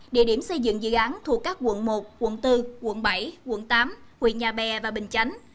địa điểm xây dựng dự án thuộc các quận một quận bốn quận bảy quận tám huyện nhà bè và bình chánh